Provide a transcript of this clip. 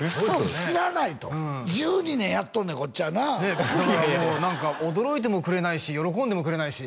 知らないと１２年やっとんねんこっちはなだからもう驚いてもくれないし喜んでもくれないし